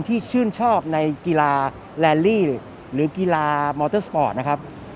ที่ชื่นชอบในกีฬาแลนลี่หรือกีฬามอเตอร์สปอร์ตนะครับ